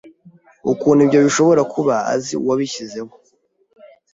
Ukuntu ibyo bishobora kuba Azi uwabishyizeho